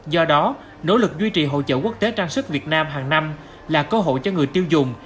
do đó nỗ lực duy trì hỗ trợ quốc tế trang sức việt nam hàng năm là cơ hội cho người tiêu dùng